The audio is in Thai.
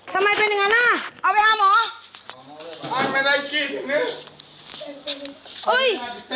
ทำไมเป็นเงินหน้าเอาไปฮามเหรอ